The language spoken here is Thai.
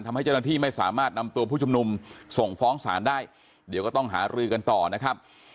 ทำให้เจ้าหน้าที่ไม่สามารถนำตัวผู้ชุมนุมส่งฟ้องศาลได้เดี๋ยวก็ต้องหารือกันต่อนะครับ